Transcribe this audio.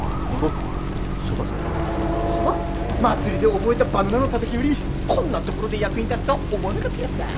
祭りで覚えたバナナのたたき売りこんなところで役に立つとは思わなかったヤッサー。